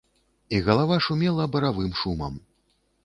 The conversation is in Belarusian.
І галава шумела баравым шумам.